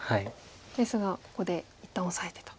ですがここで一旦オサえてと。